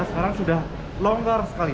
sekarang sudah longgar sekali